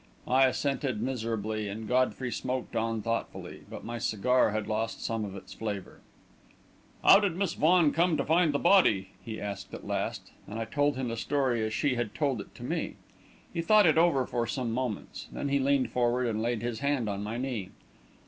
I assented miserably and Godfrey smoked on thoughtfully. But my cigar had lost some of its flavour. "How did Miss Vaughan come to find the body?" he asked at last, and I told him the story as she had told it to me. He thought it over for some moments; then he leaned forward and laid his hand on my knee.